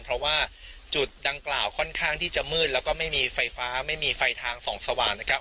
เพราะว่าจุดดังกล่าวค่อนข้างที่จะมืดแล้วก็ไม่มีไฟฟ้าไม่มีไฟทางส่องสว่างนะครับ